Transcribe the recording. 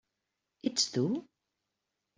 Ets tu?